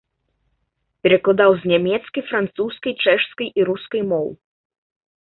Перакладаў з нямецкай, французскай, чэшскай і рускай моў.